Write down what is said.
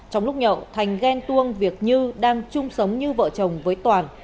trong lúc nhậu thành ghen tuông việc như đang chung sống như vợ chồng với toàn